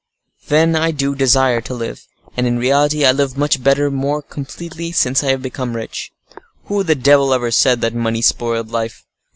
Then, I do desire to live: and, in reality, I live much better, more completely, since I have become rich. Who the devil ever said that money spoiled life?